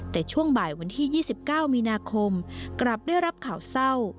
แต่ช่วงบ่ายวันที่๒๙มีนาคมกลับได้รับข่าวเศร้า